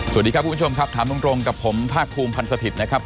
สวัสดีครับคุณผู้ชมครับถามตรงกับผมภาคภูมิพันธ์สถิตย์นะครับ